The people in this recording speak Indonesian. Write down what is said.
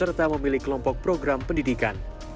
serta memilih kelompok program pendidikan